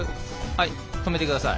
止めてください。